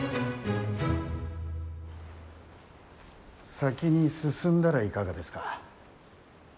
先に進んだらいかがですか。